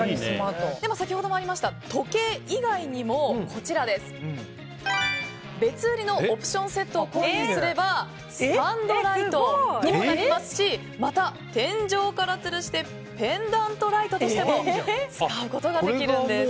先ほどもありました時計以外にも別売りのオプションセットを購入すればスタンドライトにもなりますしまた、天井からつるしてペンダントライトとしても使うことができるんです。